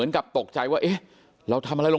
เป็นมีดปลายแหลมยาวประมาณ๑ฟุตนะฮะที่ใช้ก่อเหตุ